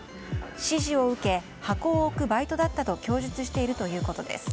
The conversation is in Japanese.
指示を受け箱を置くバイトだったと供述しているということです。